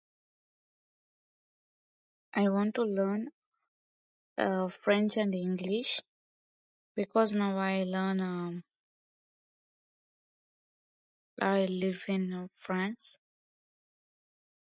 The Monroe County Quorum Court has nine members.